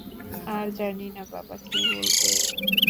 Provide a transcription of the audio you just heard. আর জানি না বাবা কি বলবে?